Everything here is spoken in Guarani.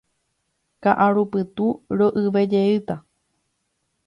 Ka'arupytũ ro'yvejeýta.